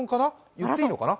言っていいのかな？